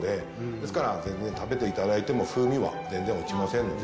ですから全然食べていただいても風味は全然落ちませんので。